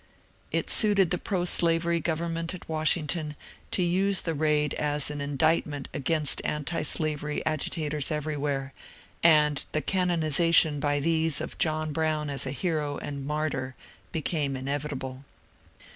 It suited the proslavery government at Washington to use the raid as an indictment against antislavery agitators everywhere, and the canonization by these of John Brown as a hero and martyr became inevitable.